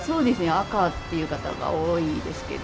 赤っていう方が多いですけど。